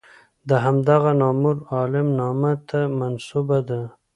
د همدغه نامور عالم نامه ته منسوبه ده.